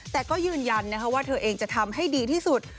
แต่ก็ยืนยันว่าเธอเองจะทำให้ดีที่สุด